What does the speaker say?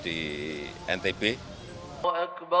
di negara negara yang tersebut